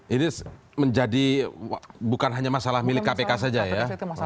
ini menjadi bukan hanya masalah milik kpk saja ya